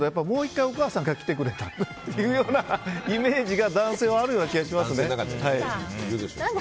１回お母さんが来てくれというイメージが男性はあるような気がしますね。